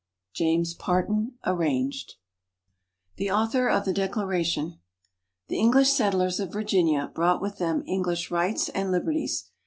James Parton (Arranged) THE AUTHOR OF THE DECLARATION The English settlers of Virginia, brought with them English rights and liberties.